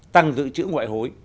tăng dự trữ ngoại hối